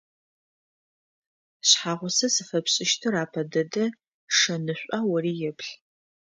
Шъхьагъусэ зыфэпшӏыщтыр апэ дэдэ шэнышӏуа ӏори еплъ.